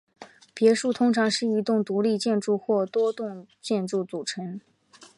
别墅通常是一栋独立建筑或多栋建筑组成。